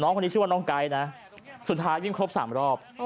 คนนี้ชื่อว่าน้องไกด์นะสุดท้ายวิ่งครบ๓รอบ